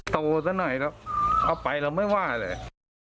โตซะหน่อยเราเอาไปเราไม่ว่าเลย